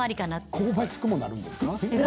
香ばしくもなるんですか？